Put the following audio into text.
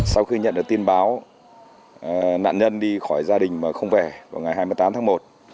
sau khi nhận được tin báo nạn nhân đi khỏi gia đình mà không về vào ngày hai mươi tám tháng một